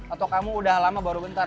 atau kamu udah lama baru bentar